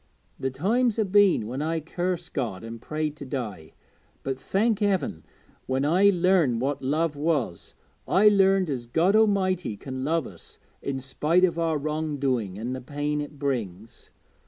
The times ha' been when I cursed God an' prayed to die, but, thank Heaven, when I learned what love was, I learned as God A'mighty can love us in spite o' our wrong doing, an' the pain it brings.